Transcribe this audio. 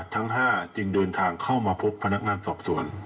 ทั้ง๕จึงเดินทางเข้ามาพบพนักงานสอบสวน